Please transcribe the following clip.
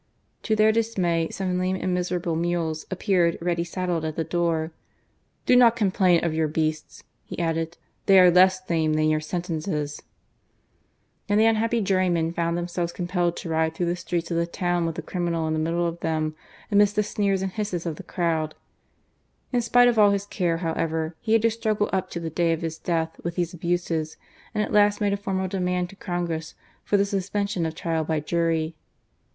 To their dismay, some lame and miserable mules appeared ready saddled at the door. " Do not complain of your beasts," he added ;" they are less lame than your sentences." «• GAMCld MOBENO. And the unhappy jurymen found themselves com pelled to ride through the streets of the town with the criminal in the middle of them, amidst the sneers aiKl.hiaBes(rftfieciaird. In qnteirf aD his care, how ever, he had to strag^ np to the day <rf'his death with these ahnses,andatlast made a formal demand to Congress for the sospatsaoa (Atrial by jnry.